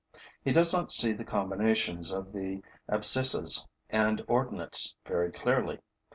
He does not see the combinations of the abscissas and ordinates very clearly.